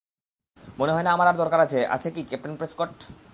মনে হয় না আমার আর দরকার আছে, আছে কি, ক্যাপ্টেন প্রেসকট?